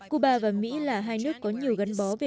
cuba và mỹ là hai nước có nhiều gắn bó về vụ này